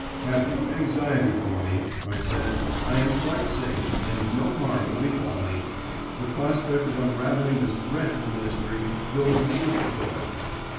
"Have no anxiety for me," I said; "I am quite safe, and no harm will befall me. The prospect of unravelling this dreadful mystery fills me with joy."